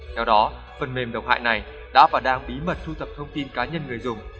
theo đó phần mềm độc hại này đã và đang bí mật thu thập thông tin cá nhân người dùng